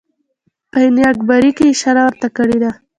په آیین اکبري کې اشاره ورته کړې ده.